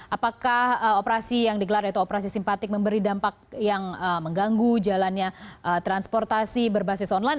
apakah operasi yang digelar yaitu operasi simpatik memberi dampak yang mengganggu jalannya transportasi berbasis online